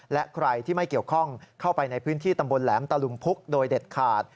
และใครที่ไม่เกี่ยวข้องเข้าไปในพื้นที่ตำบลแหลมตะลุมพุกโดยเด็ดขาด